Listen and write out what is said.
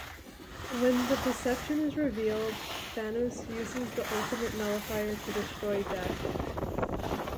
When the deception is revealed, Thanos uses the Ultimate Nullifier to destroy Death.